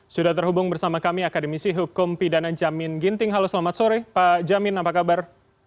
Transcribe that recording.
sudah terhubung bersama kami akademisi hukum pidana jamin ginting halo selamat sore pak jamin apa kabar